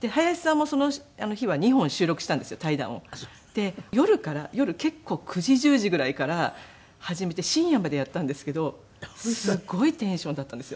で夜から夜結構９時１０時ぐらいから始めて深夜までやったんですけどすごいテンションだったんですよ。